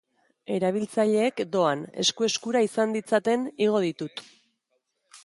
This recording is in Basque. Erabiltzaileek, doan, esku-eskura izan ditzaten igo ditut.